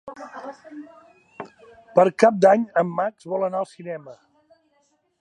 Per Cap d'Any en Max vol anar al cinema.